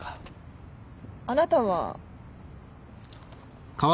あなたは？